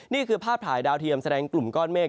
นี่คือภาพถ่ายดาวเทียมแสดงกลุ่มก้อนเมฆ